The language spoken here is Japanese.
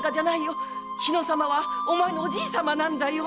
日野様はお前のおじいさまなんだよ。